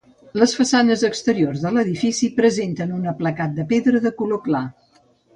Les façanes exteriors de l'edifici presenten un aplacat de pedra de color clar.